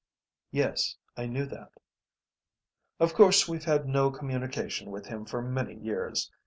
"Yes, I knew that." "Of course we've had no communication with him for many years.